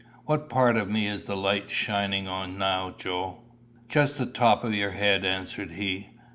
"What part of me is the light shining on now, Joe?" "Just the top of your head," answered he.